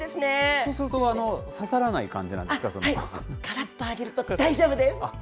そうすると、刺さらない感じからっと揚げると大丈夫です。